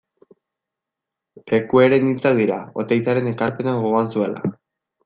Lekueren hitzak dira, Oteizaren ekarpena gogoan zuela.